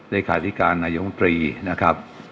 เลยการนายวงธรีนะครับ